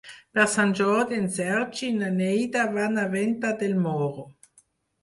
Per Sant Jordi en Sergi i na Neida van a Venta del Moro.